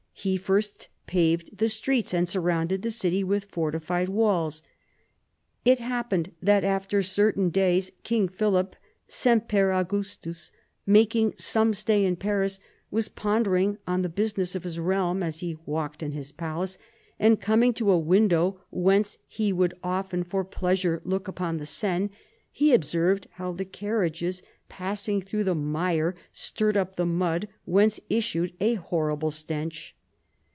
He first paved the streets and surrounded the city with fortified walls. "It happened that after certain days King Philip, semper Augustus, making some stay in Paris, was pondering on the business of his realm as he walked in his palace, and coming to a window whence he would .often for pleasure look upon the Seine, he observed how the carriages passing through the mire stirred up the mud, whence issued a horrible stench.